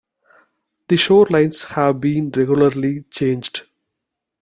The shorelines have been regularly changed.